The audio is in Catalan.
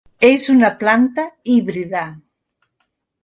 És una planta híbrida.